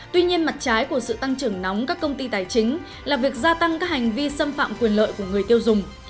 tuy nhiên mặt trái của sự tăng trưởng nóng các công ty tài chính là việc gia tăng các hành vi xâm phạm quyền lợi của người tiêu dùng